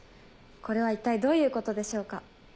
これは一体どういうことでしょうか？